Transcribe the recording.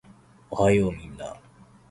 おはようみんな